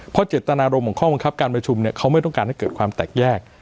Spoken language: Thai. เพราะเจตนารมณ์ของข้อบังคับการประชุมเนี่ยเขาไม่ต้องการให้เกิดความแตกแยก